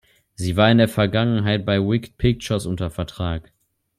Sie war in der Vergangenheit bei Wicked Pictures unter Vertrag.